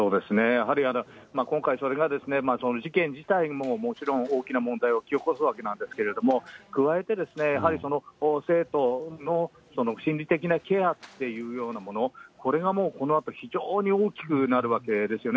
やはり今回、それが事件自体ももちろん大きな問題を引き起こすわけなんですけど、加えて、やはりその生徒の心理的なケアっていうようなもの、これがもう、このあと非常に大きくなるわけですよね。